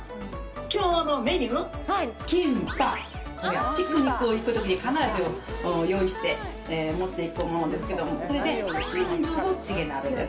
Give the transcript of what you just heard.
今日のメニューキンパピクニック行く時必ず用意して持っていくと思うんですけどもそれで純豆腐チゲ鍋です